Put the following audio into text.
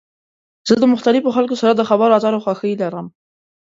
زه د مختلفو خلکو سره د خبرو اترو خوښی لرم.